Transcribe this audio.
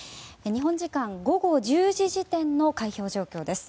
日本時間午後１０時時点の開票状況です。